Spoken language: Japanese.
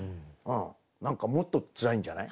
何かもっとつらいんじゃない？